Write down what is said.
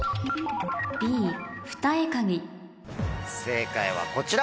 正解はこちら。